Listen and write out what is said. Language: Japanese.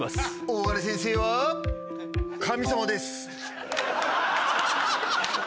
大金先生は神様です。